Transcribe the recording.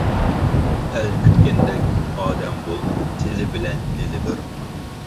ئەل كۈتكەندەك ئادەم بول، تىلى بىلەن دىلى بىر.